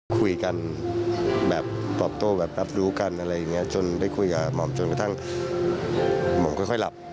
คุยกันแบบตอบโต้แบบรับรู้กันอะไรอย่างนี้จนได้คุยกับหม่อมจนกระทั่งหม่อมค่อยหลับ